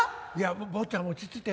坊ちゃん落ち着いて。